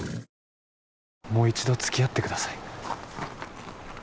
もう一度つきあってください